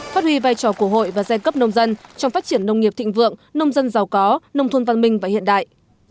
phát huy vai trò của hội và giai cấp nông dân trong phát triển nông nghiệp thịnh vượng nông dân giàu có nông thôn văn minh và hiện đại